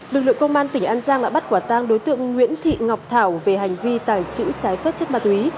lực lượng công an tỉnh an giang đã bắt quả tang đối tượng nguyễn thị ngọc thảo về hành vi tàng trữ trái phép chất ma túy